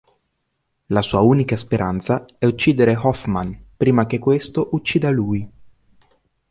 La sua unica speranza è uccidere Hoffmann prima che questo uccida lui.